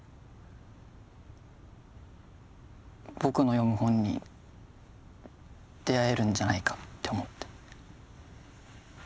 僕の読む本に出会えるんじゃないかって思って。